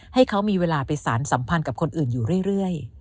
ให้เขามีเวลาไปสารสัมพันธ์กับคนอื่นอยู่เรื่อย